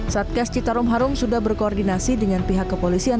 satgas citarum harum sudah berkoordinasi dengan pihak kepolisian